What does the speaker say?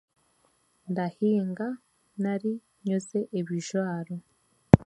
Ndahinga nari nyoze ebijwaaro.